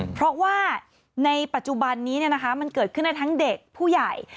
เพราะว่าในปัจจุบันนี้มันเกิดขึ้นได้ทั้งเด็กผู้ใหญ่